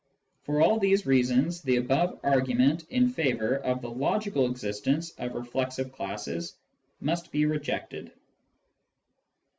For all these reasons, the above argument in favour of the logical existence of reflexive classes must be rejected.